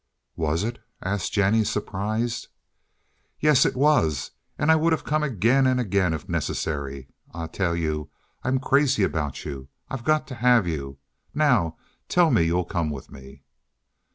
"Was it?" asked Jennie, surprised. "Yes, it was. And I would have come again and again if necessary. I tell you I'm crazy about you. I've got to have you. Now tell me you'll come with me."